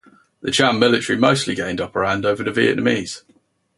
The Cham military mostly gained upper hand over the Vietnamese.